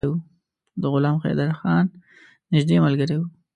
د غلام حیدرخان نیژدې ملګری وو.